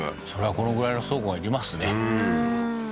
このぐらいの倉庫がいりますねうん